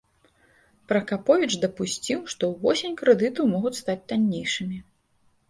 Пракаповіч дапусціў, што ўвосень крэдыты могуць стаць таннейшымі.